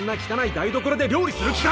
台所で料理する気か！？